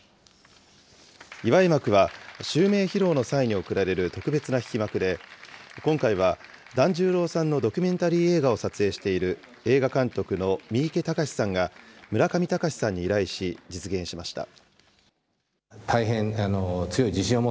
祝幕は襲名披露の際に贈られる特別な引幕で、今回は團十郎さんのドキュメンタリー映画を撮影している映画監督の三池崇史さんが、村上隆さんに依頼し実現しました。